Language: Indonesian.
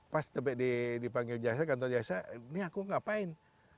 pas dipanggil jaksa kantor jaksa ini aku ngapain